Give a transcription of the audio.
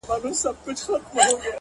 د هغوی څټ د جبرائيل د لاس لرگی غواړي’’